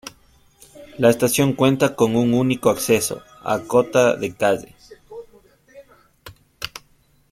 La estación cuenta con un único acceso, a cota de calle.